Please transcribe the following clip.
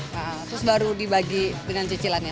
nah terus baru dibagi dengan cicilannya